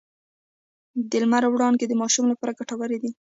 د لمر وړانګې د ماشوم لپاره ګټورې دي۔